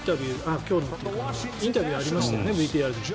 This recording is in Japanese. インタビューありましたよね、ＶＴＲでも。